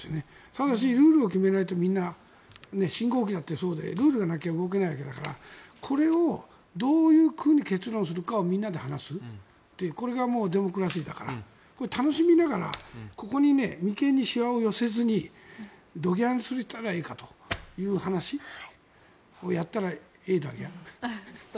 ただしルールを決めないとみんな信号機だってそうでルールがなきゃ動けないわけだからこれをどういうふうに結論するかを、みんなで話すこれがデモクラシーだから楽しみながらここに眉間にしわを寄せずにどぎゃんしたらいいかという話をやったらええだぎゃ。